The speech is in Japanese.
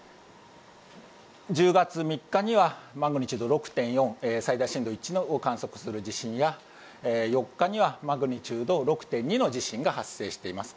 １０月３日にはマグニチュード６．４最大震度１を観測する地震や４日にはマグニチュード６．２の地震が発生しています。